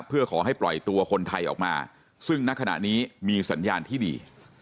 เพื่อขอให้ปล่อยตัวคนไทยออกมาซึ่งณขณะนี้มีสัญญาณที่ดี